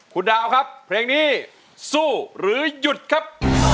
คุณดาวครับเพลงนี้สู้หรือหยุดครับ